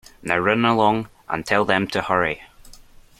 Now run along, and tell them to hurry.